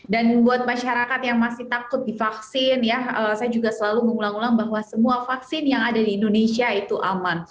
dan buat masyarakat yang masih takut divaksin ya saya juga selalu mengulang ulang bahwa semua vaksin yang ada di indonesia itu aman